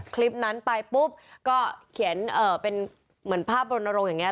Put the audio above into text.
คลิปนั้นไปปุ๊บก็เขียนเอ่อเป็นเหมือนภาพบรรณโรงอย่างเงี้ย